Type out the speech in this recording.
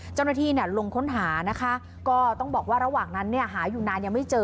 เจ้าหน้าที่ลงค้นหานะคะก็ต้องบอกว่าระหว่างนั้นเนี่ยหาอยู่นานยังไม่เจอ